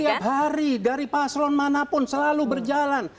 setiap hari dari paslon manapun selalu berjalan